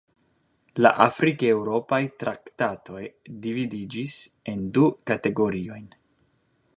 La afrikeŭropaj traktatoj dividiĝis en du kategoriojn.